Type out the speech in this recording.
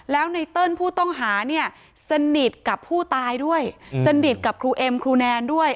แล้วไนเติ้ลผู้ต้องหาเนี่ยสนิทกับผู้ตายด้วยสนิทกับครูเอ็มครูแนนด้วย